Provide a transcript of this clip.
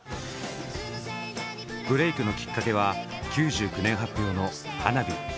ブレークのきっかけは９９年発表の「花火」。